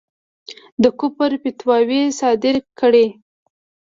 د کُفر فتواوې صادري کړې.